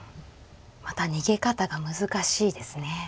また逃げ方が難しいですね。